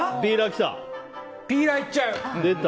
ピーラーいっちゃう！